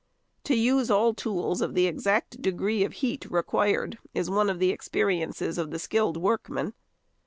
To use all tools of the exact degree of heat required is one of the experiences of the skilled workman.